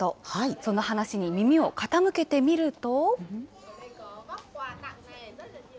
その話に耳を傾けてみると。